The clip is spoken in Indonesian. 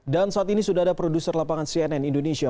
dan saat ini sudah ada produser lapangan cnn indonesia